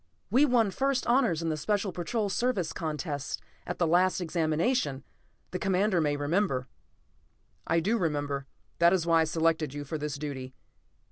"We won first honors in the Special Patrol Service contests at the last Examination, the Commander may remember." "I do remember. That is why I selected you for this duty."